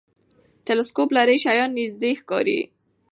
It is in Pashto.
ټلسکوپ لرې شیان نږدې ښکاري.